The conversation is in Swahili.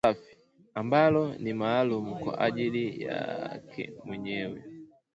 safi ambalo ni maalumu kwa ajili yake mwenyewe